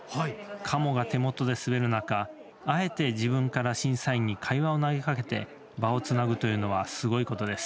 鴨が手元で滑る中あえて自分から審査員に会話をなげかけて場をつなぐというのはすごいことです。